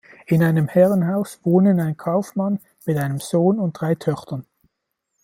In einem Herrenhaus wohnen ein Kaufmann mit einem Sohn und drei Töchtern.